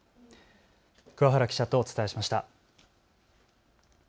桑原記者とお伝えしました。